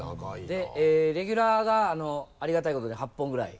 でレギュラーがありがたいことに８本ぐらい。